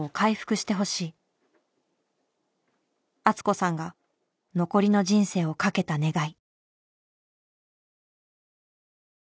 敦子さんが残りの人生をかけた願い。